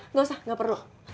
enggak usah gak perlu